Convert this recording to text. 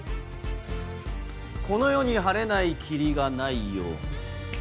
この世に晴れない霧がないように。